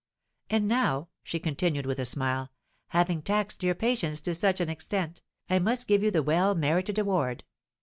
"And now," she continued, with a smile, "having taxed your patience to such an extent, I must give you the well merited reward.